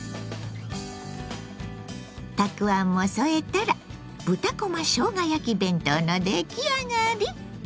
たくあんも添えたら豚こましょうが焼き弁当の出来上がり！